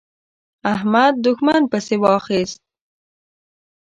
احمد؛ دوښمن پسې واخيست.